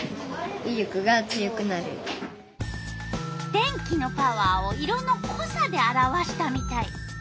電気のパワーを色のこさで表したみたい。